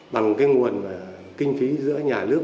bằng cái nguồn kinh phí giữa nhà nước